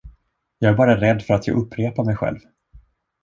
Jag är bara rädd för att jag upprepar mig själv.